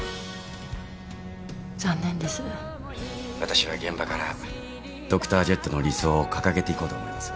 私は現場からドクタージェットの理想を掲げていこうと思います。